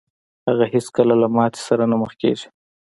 هغه هېڅکله له ماتې سره نه مخ کېږي.